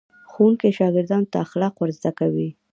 ښوونکي شاګردانو ته اخلاق ور زده کوي.